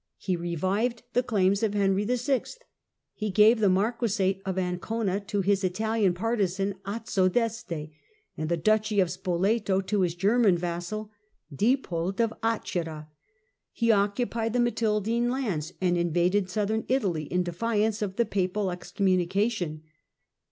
He revived the claims of Henry VI. He gave the marquisate of Ancona to his Italian partisan Azzo d'Este, and the duchy of Spoleto to his German vassal Diepold of Acerra. He occupied the Matildine lands, and invaded southern Italy in defiance of the papal excommunication.